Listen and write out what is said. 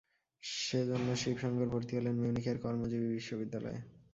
সে জন্য শিব শংকর ভর্তি হলেন মিউনিখের কর্মজীবী বিদ্যালয়ে।